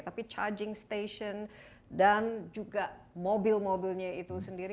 tapi charging station dan juga mobil mobilnya itu sendiri